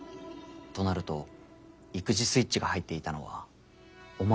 となると育児スイッチが入っていたのはお孫さんがいたから。